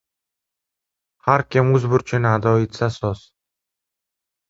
Har kim o‘z burchini ado etsa soz